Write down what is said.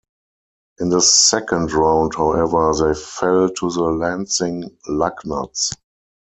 In the second round, however, they fell to the Lansing Lugnuts.